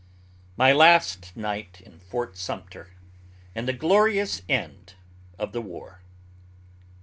MY LAST NIGHT IN FORT SUMTER AND THE GLORIOUS END OF THE WAR.